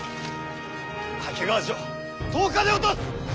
掛川城１０日で落とす！